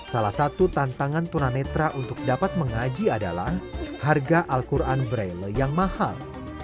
salah satu tantangan tunanetra untuk dapat mengaji adalah harga al quran braille yang mahal